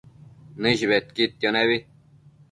Nëish bedquidquio nebi